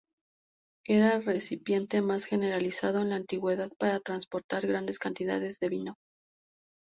Era el recipiente más generalizado en la antigüedad para transportar grandes cantidades de vino.